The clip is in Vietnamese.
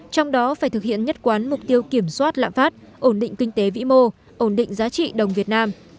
trong đó phải thực hiện nhất quán mục tiêu kiểm soát lạm phát ổn định kinh tế vĩ mô ổn định giá trị đồng việt nam